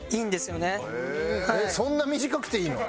そんな短くていいの？